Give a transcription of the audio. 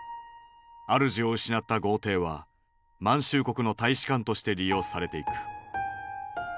主を失った豪邸は満州国の大使館として利用されていく。